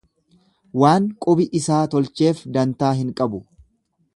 Waan qubi isaa tolcheef dantaa hin qabu.